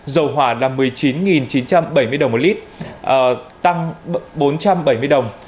dầu hỏa là một mươi chín chín trăm bảy mươi đồng một lít tăng bốn trăm bảy mươi đồng